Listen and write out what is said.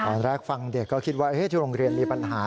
ตอนแรกฟังเด็กก็คิดว่าที่โรงเรียนมีปัญหา